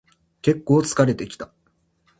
けっこう疲れてきた